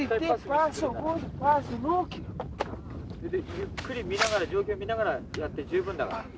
ゆっくり状況を見ながらやって十分だから。